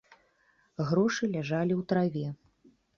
Грошы ляжалі ў траве.